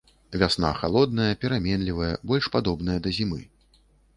Вясна халодная, пераменлівая, больш падобная да зімы.